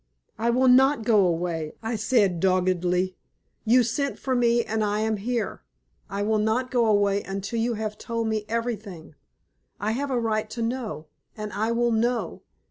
"I will not go away," I said, doggedly. "You sent for me, and I am here. I will not go away until you have told me everything. I have a right to know, and I will know!